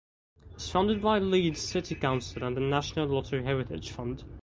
It was funded by Leeds City Council and the National Lottery Heritage Fund.